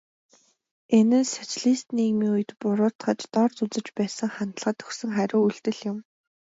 Энэ нь социалист нийгмийн үед буруутгаж, дорд үзэж байсан хандлагад өгсөн хариу үйлдэл юм.